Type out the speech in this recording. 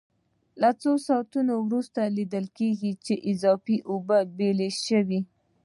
له څو ساعتونو وروسته لیدل کېږي چې اضافي اوبه یې بېلې شوې.